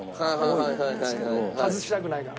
外したくないから。